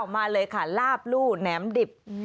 มาเลยค่ะลาบลู่แหนมดิบ